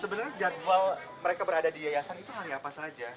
sebenarnya jadwal mereka berada di yayasan itu hari apa saja